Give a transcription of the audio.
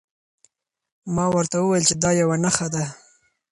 ما ورته وویل چې دا یوه نښه ده.